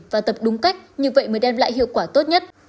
và tập đúng cách như vậy mới đem lại hiệu quả tốt nhất